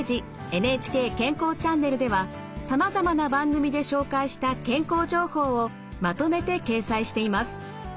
「ＮＨＫ健康チャンネル」ではさまざまな番組で紹介した健康情報をまとめて掲載しています。